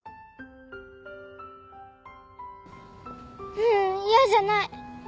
ううん嫌じゃない。